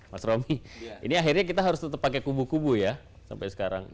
mas romi ini akhirnya kita harus tetap pakai kubu kubu ya sampai sekarang